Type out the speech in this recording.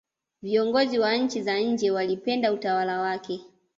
viongozi wa nchi za nje walipenda utawala wake